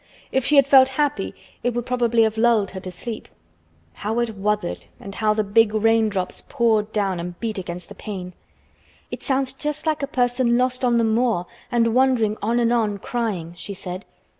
If she had felt happy it would probably have lulled her to sleep. How it "wuthered" and how the big raindrops poured down and beat against the pane! "It sounds just like a person lost on the moor and wandering on and on crying," she said.